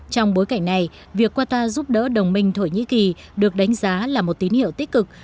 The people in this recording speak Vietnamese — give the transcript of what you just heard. trong bối cảnh này việc qatar giúp đỡ đồng minh thổ nhĩ kỳ được đánh giá là một tín hiệu tích cực